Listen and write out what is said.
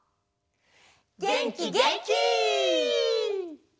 げんきげんき！